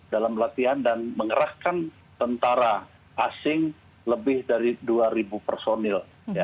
dalam latihan dan mengerahkan tentara asing lebih dari dua ribu personil